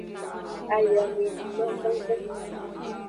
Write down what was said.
Ayamehun lo gangan.